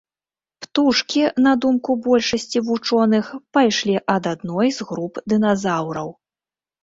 Птушкі, на думку большасці вучоных, пайшлі ад адной з груп дыназаўраў.